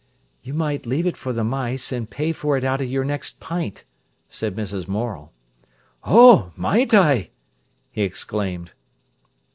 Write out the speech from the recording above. "You might leave it for the mice and pay for it out of your next pint," said Mrs. Morel. "Oh, might I?" he exclaimed.